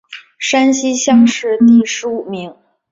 山西乡试第十五名。